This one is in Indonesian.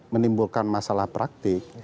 menimbulkan masalah praktik